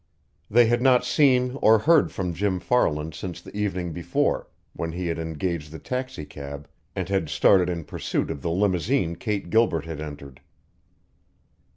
They had not seen or heard from Jim Farland since the evening before, when he had engaged the taxicab and had started in pursuit of the limousine Kate Gilbert had entered.